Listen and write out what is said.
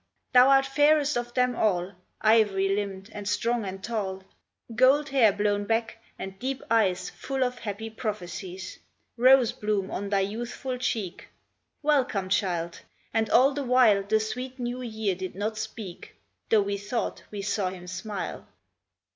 Thou art fairest of them all, Ivory limbed and strong and tall, Gold hair blown back, and deep eyes Full of happy prophecies ; Rose bloom on thy youthful cheek. Welcome, child !" And all the while The sweet New Year did not speak, Though we thought we saw him smile.